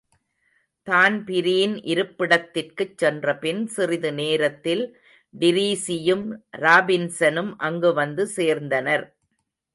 Dan Breen இருப்பிடத்திற்குச் சென்றபின், சிறிது நேரத்தில் டிரீஸியும், ராபின்சனும் அங்கு வந்து சேர்ந்தனர்.